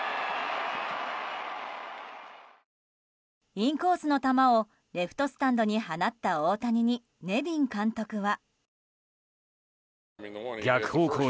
インコースの球をレフトスタンドに放った大谷にネビン監督は。